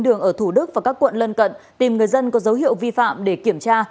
đường ở thủ đức và các quận lân cận tìm người dân có dấu hiệu vi phạm để kiểm tra